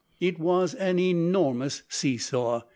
It was an enormous see saw!